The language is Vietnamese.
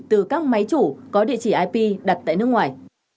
từ các máy chủ có địa chỉ ip đặt tại nước ngoài